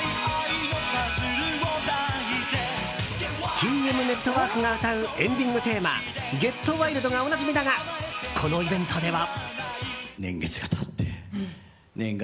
ＴＭＮＥＴＷＯＲＫが歌うエンディングテーマ「ＧｅｔＷｉｌｄ」がおなじみだがこのイベントでは。